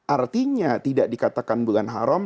artinya tidak dikatakan bulan haram